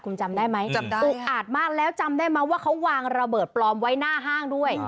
คุณจำได้ไหมจำได้อุกอาจมากแล้วจำได้ไหมว่าเขาวางระเบิดปลอมไว้หน้าห้างด้วย